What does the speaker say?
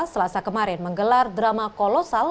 selasa kemarin menggelar drama kolosal